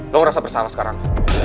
lo ngerasa bersalah sekarang